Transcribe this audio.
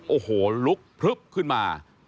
โอ้โหลุกพลึบขึ้นมา